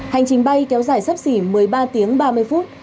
hành trình bay kéo dài sấp xỉ một mươi ba tiếng ba mươi phút